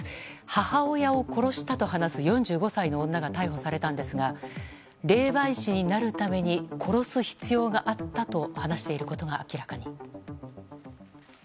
母親を殺したと話す４５歳の女が逮捕されたんですが霊媒師になるために殺す必要があったと話していることが明らかに。